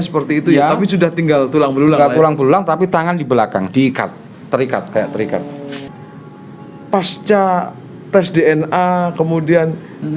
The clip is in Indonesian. pulang pulang tapi tangan di belakang diikat terikat kayak terikat pasca tes dna kemudian